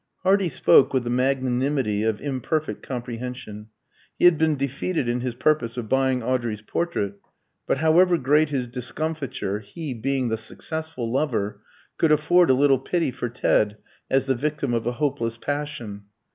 Hardy spoke with the magnanimity of imperfect comprehension. He had been defeated in his purpose of buying Audrey's portrait; but however great his discomfiture, he, being the successful lover, could afford a little pity for Ted as the victim of a hopeless passion.